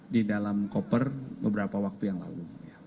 di dalam koper beberapa waktu yang lalu